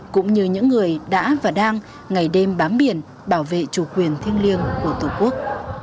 cũng như những người đã và đang ngày đêm bám biển bảo vệ chủ quyền thiêng liêng của tổ quốc